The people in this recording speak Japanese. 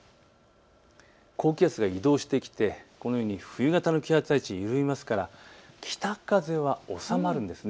高気圧が移動してきてこのように冬型の気圧配置、緩みますから北風は収まるんです。